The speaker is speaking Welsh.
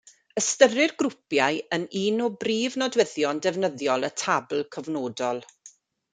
Ystyrir grwpiau yn un o brif nodweddion defnyddiol y tabl cyfnodol.